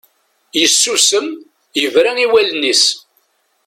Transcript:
Yessusem, yebra i wallen-is.